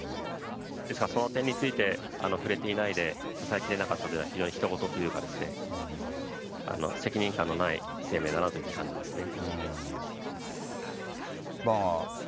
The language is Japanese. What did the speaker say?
ですからその点について、触れていないで、支えきれなかったというのは、非常にひと事というかですね、まだ脱会されたっていう報道もないですしね。